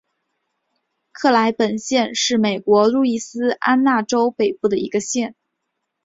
克莱本县是美国路易斯安那州北部的一个县。